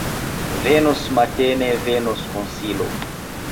Venos mateno, venos konsilo!